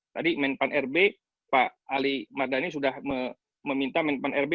tadi men pan rb pak ali madani sudah meminta men pan rb